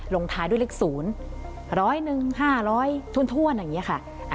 ลงท้ายด้วยเลขศูนย์ร้อยหนึ่งห้าร้อยถ้วนอย่างนี้ค่ะ